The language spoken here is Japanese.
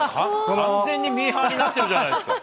完全にミーハーになってるじゃないですか。